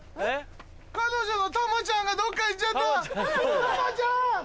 彼女の珠ちゃんがどっか行っちゃった。